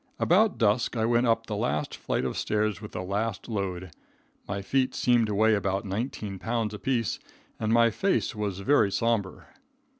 About dusk I went up the last flight of stairs with the last load. My feet seemed to weigh about nineteen pounds apiece and my face was very sombre.